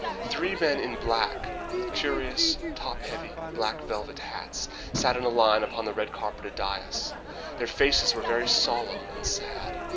Three men in black, with curious, top heavy, black velvet hats, sat in a line upon a red carpeted dais. Their faces were very solemn and sad.